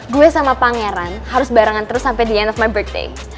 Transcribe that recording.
gue sama pangeran harus barengan terus sampai the end of my birthday